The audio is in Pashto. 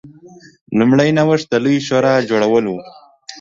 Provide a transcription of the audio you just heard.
لومړنی نوښت د لویې شورا جوړول و